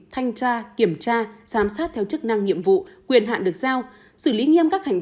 thanh tra kiểm tra giám sát theo chức năng nhiệm vụ quyền hạn được giao xử lý nghiêm các hành